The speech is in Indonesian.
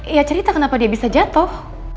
iya cerita kenapa dia bisa jatuh